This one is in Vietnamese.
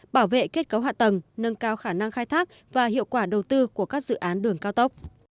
bảo vệ kết cấu hạ tầng nâng cao khả năng khai thác và hiệu quả đầu tư của các dự án đường cao tốc